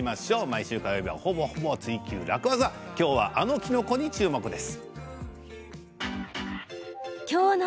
毎週火曜日は、ほぼほぼ「ツイＱ楽ワザ」今日はあのキノコに注目です。